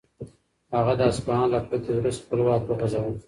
هغه د اصفهان له فتحې وروسته خپل واک وغځاوه.